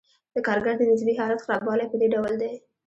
د کارګر د نسبي حالت خرابوالی په دې ډول دی